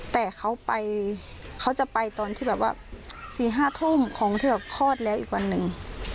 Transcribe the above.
แต่เขาไปเขาจะไปตอนที่แบบว่า๔๕ทุ่มของที่แบบคลอดแล้วอีกวันหนึ่ง